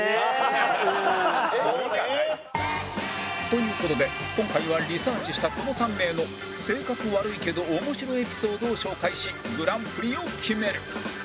という事で今回はリサーチしたこの３名の性格悪いけど面白エピソードを紹介しグランプリを決める